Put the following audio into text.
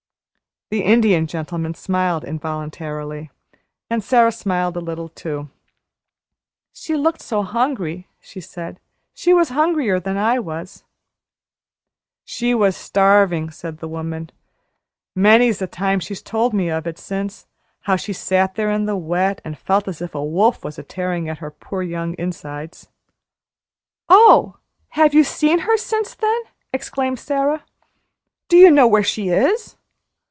The Indian Gentleman smiled involuntarily, and Sara smiled a little too. "She looked so hungry," she said. "She was hungrier than I was." "She was starving," said the woman. "Many's the time she's told me of it since how she sat there in the wet, and felt as if a wolf was a tearing at her poor young insides." "Oh, have you seen her since then?" exclaimed Sara. "Do you know where she is?"